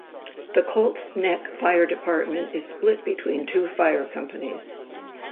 The Colts Neck Fire Department is split between two fire companies.